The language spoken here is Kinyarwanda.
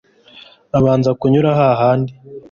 abanza kunyura ha handi